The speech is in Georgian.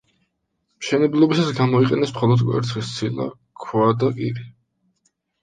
მშენებლობისას გამოიყენეს მხოლოდ კვერცხის ცილა, ქვა და კირი.